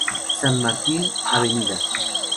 San Martín, Av.